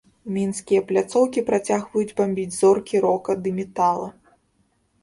Мінскія пляцоўкі працягваюць бамбіць зоркі рока ды метала.